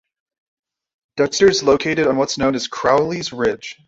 Dexter is located on what is known as Crowley's Ridge.